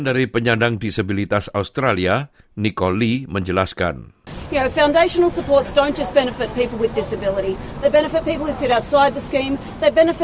di kedengaran media bersama di canberra